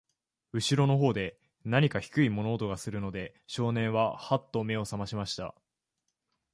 後ろの方で、なにか低い物音がするので、少年は、はっと目を覚ましました。